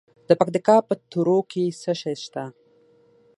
د پکتیکا په تروو کې څه شی شته؟